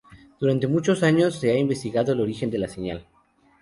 Durante muchos años se ha investigado el origen de la señal.